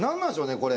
これ。